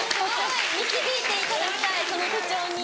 導いていただきたいその手帳に。